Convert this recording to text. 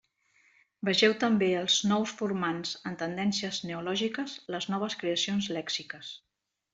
Vegeu també Els nous formants en Tendències neològiques: les noves creacions lèxiques.